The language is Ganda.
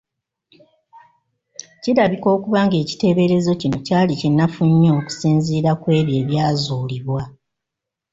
Kirabika okuba nga ekiteeberezo kino kyali kinafu nnyo okusinziira kw’ebyo ebyazuulibwa.